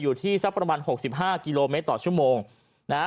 อยู่ที่สักประมาณหกสิบห้ากิโลเมตรต่อชั่วโมงนะฮะ